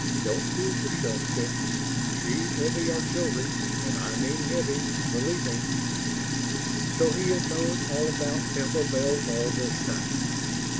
"Don't fool yourself, chick. She's heavy artillery; and I mean heavy, believe me!" So he had known all about Temple Bells all this time!